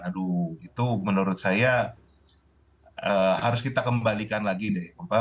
aduh itu menurut saya harus kita kembalikan lagi deh